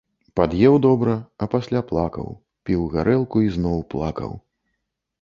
Пад'еў добра, а пасля плакаў, піў гарэлку і зноў плакаў.